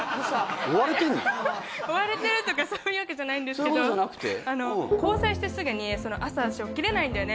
追われてるとかそういうわけじゃないんですけど交際してすぐに「朝私起きれないんだよね」